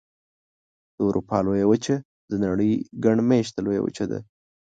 د اروپا لویه وچه د نړۍ ګڼ مېشته لویه وچه ده.